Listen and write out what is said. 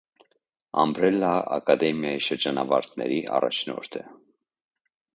«Ամբրելլա» ակադեմիայի շրջանավարտների առաջնորդը։